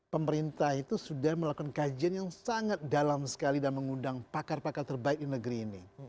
pemerintah itu sudah melakukan kajian yang sangat dalam sekali dan mengundang pakar pakar terbaik di negeri ini